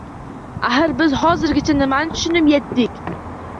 Axir, biz hozirgacha nimani tushunib yetdik